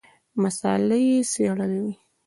مساله یې څېړلې وي.